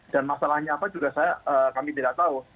dan masalahnya apa juga kami tidak tahu